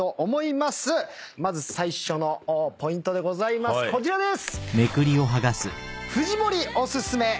まず最初のポイントでございますこちらです！